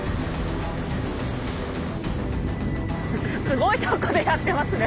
すごいとこでやってますね。